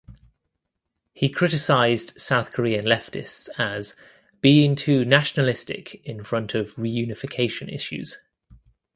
He criticised South Korean leftists as "being too nationalistic in front of reunification issues".